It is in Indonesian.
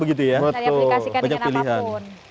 bisa di aplikasikan dengan apapun